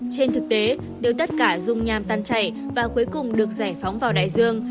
trên thực tế nếu tất cả rung nham tan chảy và cuối cùng được giải phóng vào đại dương